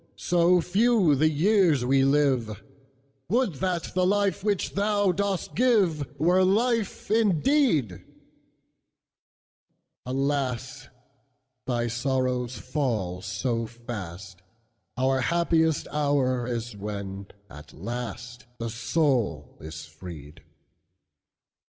so few the years we live, Would that the life which thou dost giveWere life indeed! Alas! thy sorrows fall so fast, Our happiest hour is when at lastThe soul is freed.